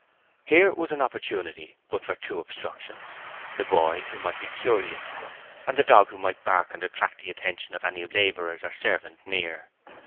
Here was an opportunity but for two obstructions: the boy, who might be curious; and the dog, who might bark and attract the attention of any labourers or servants near.